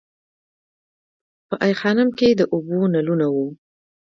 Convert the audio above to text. په ای خانم کې د اوبو نلونه وو